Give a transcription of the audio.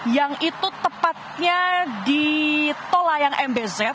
yang itu tepatnya di tolayang mbz